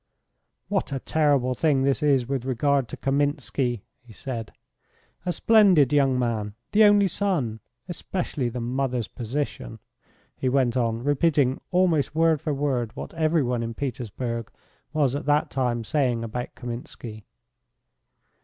"What a terrible thing this is with regard to Kaminski," he said. "A splendid young man. The only son. Especially the mother's position," he went on, repeating almost word for word what every one in Petersburg was at that time saying about Kaminski.